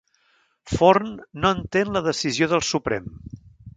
Forn no entén la decisió del Suprem